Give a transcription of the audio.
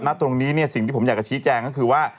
ตรงนี้เนี่ยสิ่งที่ผมอยากจะชี้แจงก็คือว่า